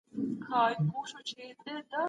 جهالت د ټولني د وروسته پاته کيدو لامل دی.